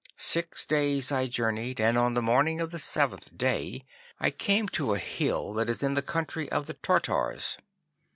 Six days I journeyed, and on the morning of the seventh day I came to a hill that is in the country of the Tartars.